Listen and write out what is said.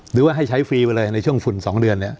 หรือว่าให้ใช้ฟรีไปเลยในช่วงฝุ่น๒เดือนเนี่ย